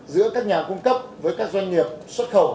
giữa các nhà cung cấp với các doanh nghiệp xuất khẩu